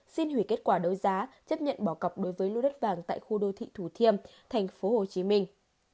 xin hủy kết quả đấu giá chấp nhận bỏ cọc đối với lô đất vàng tại khu đô thị thủ thiêm thành phố hồ chí minh